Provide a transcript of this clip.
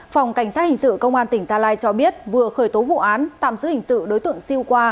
phòng cảnh sát hình sự công an tỉnh gia lai cho biết vừa khởi tố vụ án tạm giữ hình sự đối tượng siêu qua